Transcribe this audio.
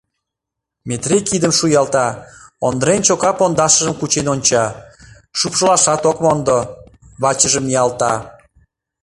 Метрий кидым шуялта, Ондрен чока пондашыжым кучен онча, шупшылашат ок мондо, вачыжым ниялта.